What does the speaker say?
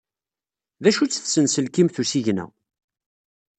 D acu-tt tsenselkimt n usigna?